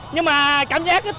nhưng mà cảm giác